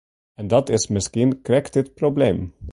En dat is miskien krekt it probleem.